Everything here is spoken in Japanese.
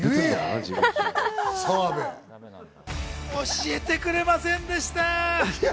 教えてくれませんでした！